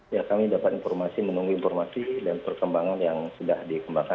ya kami dapat informasi menunggu informasi dan perkembangan yang sudah dikembangkan